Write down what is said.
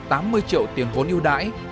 tám mươi triệu tiền vốn yêu đãi